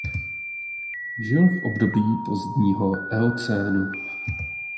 Žil v období pozdního eocénu.